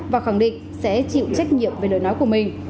và khẳng định sẽ chịu trách nhiệm về lời nói của mình